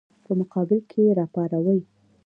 په مقابل کې یې راپاروي.